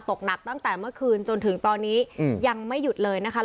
ตกหนักตั้งแต่เมื่อคืนจนถึงตอนนี้ยังไม่หยุดเลยนะคะ